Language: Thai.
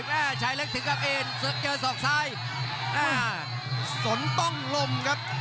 ชายเล็กถึงกับเอ็นเจอศอกซ้ายอ่าสนต้องลมครับ